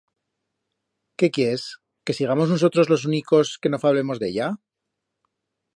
Qué quiers, que sigamos nusotros los únicos que no fablemos de ella?